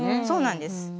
そうなんです。